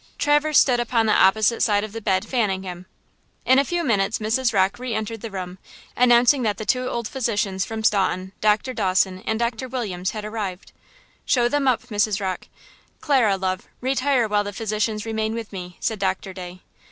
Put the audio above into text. Traverse stood upon the opposite side of the bed fanning him. In a few minutes Mrs. Rocke re entered the room, announcing that the two old physicians from Staunton, Doctor Dawson and Doctor Williams, had arrived. "Show them up, Mrs. Rocke. Clara, love, retire while the physicians remain with me," said Doctor Day.